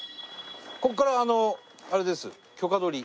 ここからあれです許可取り。